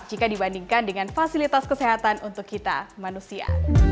jika dibandingkan dengan fasilitas kesehatan untuk kita manusia